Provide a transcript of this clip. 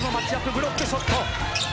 ブロックショット。